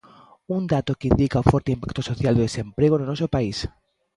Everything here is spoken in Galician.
Un dato que indica o forte impacto social do desemprego no noso país.